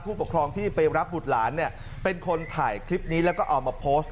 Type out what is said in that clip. ผู้ปกครองที่ไปรับบุตรหลานเนี่ยเป็นคนถ่ายคลิปนี้แล้วก็เอามาโพสต์